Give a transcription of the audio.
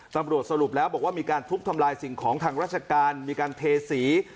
สรุปแล้วบอกว่ามีการทุบทำลายสิ่งของทางราชการมีการเทสี